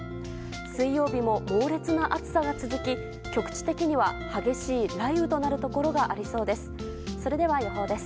水曜日も猛烈な暑さが続き局地的には激しい雷雨となるところがありそうです。